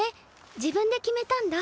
自分で決めたんだ。